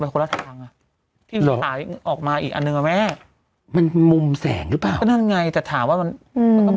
เหมือนแบบคนละทาง